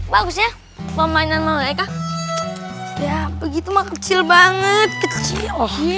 bagusnya pemainan mau ga eka ya begitu mah kecil banget kecil